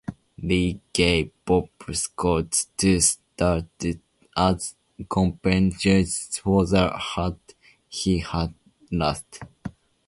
Lee gave Pope's coat to Stuart as compensation for the hat he had lost.